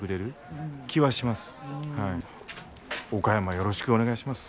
よろしくお願いします。